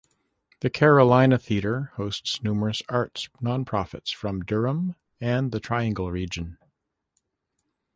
The Carolina Theatre hosts numerous arts nonprofits from Durham and the Triangle Region.